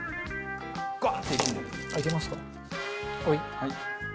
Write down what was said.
はい。